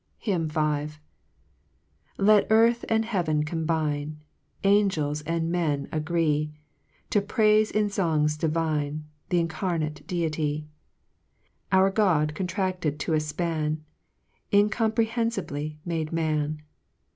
HYMN V. i ~V~ ET earth and heaven combine, M A Angels and men agree, To praife in fongs divine Th' incarnate Deity, Our God contracted to a fpan, Incomprehcufibly matte man.